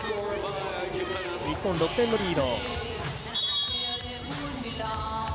日本、６点のリード。